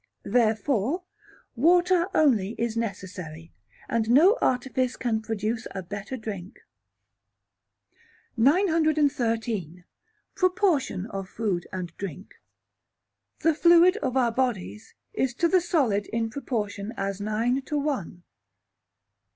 Therefore, water only is necessary, and no artifice can produce a better drink. 913. Proportion of Food and Drink. The fluid of our bodies is to the solid in proportion as nine to one.